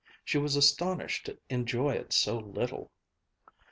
She was astonished to enjoy it so little.